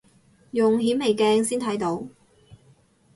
用顯微鏡先睇到